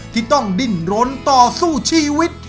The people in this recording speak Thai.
ที่ต้องดิ้นรนต่อสู้ชีวิต